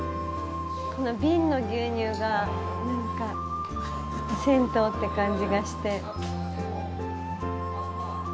この瓶の牛乳がなんか銭湯って感じがして。